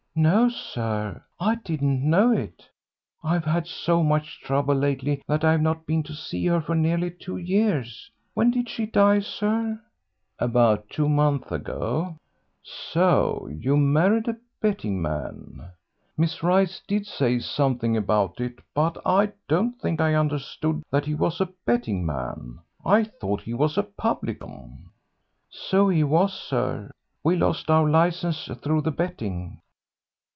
"No, sir, I didn't know it. I've had so much trouble lately that I've not been to see her for nearly two years. When did she die, sir?" "About two months ago. So you married a betting man! Miss Rice did say something about it, but I don't think I understood that he was a betting man; I thought he was a publican." "So he was, sir. We lost our licence through the betting."